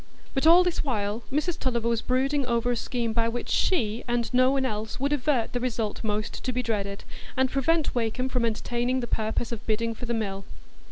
But all this while Mrs Tulliver was brooding over a scheme by which she, and no one else, would avert the result most to be dreaded, and prevent Wakem from entertaining the purpose of bidding for the mill.